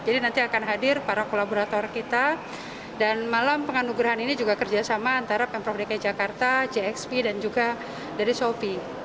nanti akan hadir para kolaborator kita dan malam penganugerahan ini juga kerjasama antara pemprov dki jakarta jxp dan juga dari shopee